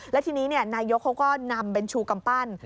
และทีนี้นายกเขาก็นำเป็นชูกำปั้น